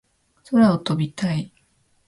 空を飛びたい